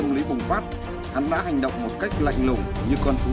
nếu không tôi không biết